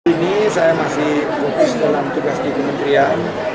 ini saya masih fokus dalam tugas di kementerian